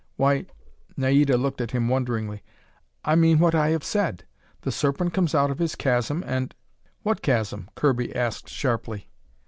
"Why " Naida looked at him wonderingly. "I mean what I have said. The Serpent comes out of his chasm and " "What chasm?" Kirby asked sharply.